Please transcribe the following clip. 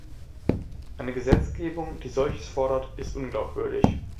Eine Gesetzgebung, die solches fordert, ist unglaubwürdig.